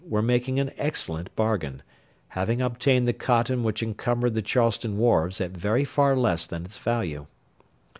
were making an excellent bargain, having obtained the cotton which encumbered the Charleston wharves at very far less than its value.